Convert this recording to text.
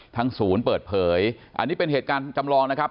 ทางศูนย์เปิดเผยอันนี้เป็นเหตุการณ์จำลองนะครับ